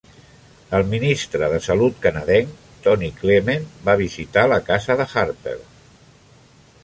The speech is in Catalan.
El ministre de salut canadenc Tony Clement va visitar la casa de Harper.